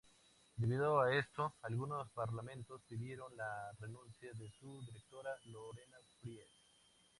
Debido a esto, algunos parlamentarios pidieron la renuncia de su directora, Lorena Fries.